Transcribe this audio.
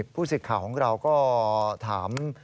พูดสิทธิ์ข่าวของเราก็ถาม